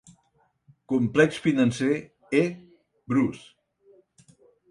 Complex financer E. Bruce.